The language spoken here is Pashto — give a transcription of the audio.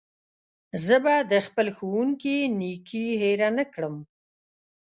زه به د خپل ښوونکي نېکي هېره نه کړم.